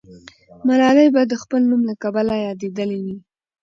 ملالۍ به د خپل نوم له کبله یادېدلې وي.